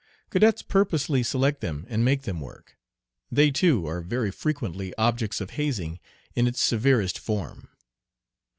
Cadets purposely select them and make them work. They, too, are very frequently objects of hazing in its severest form.